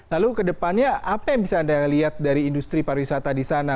lalu kedepannya apa yang bisa anda lihat dari industri pariwisata di sana